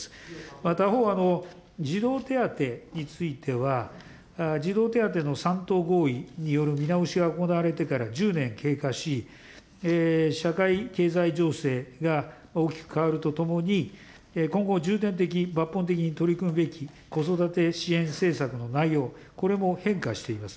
また、他方、児童手当については、児童手当の３党合意による見直しが行われてから１０年経過し、社会経済情勢が大きく変わるとともに、今後、重点的、抜本的に取り組むべき子育て支援政策の内容、これも変化しています。